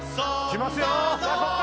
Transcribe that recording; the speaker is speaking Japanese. きますよー！